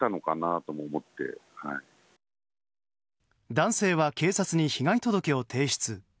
男性は警察に被害届を提出。